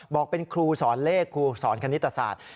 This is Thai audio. บอกเป็นครูสอนเลขครูสอนคณิตศาสตร์